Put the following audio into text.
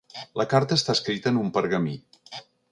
La carta està escrita en un pergamí.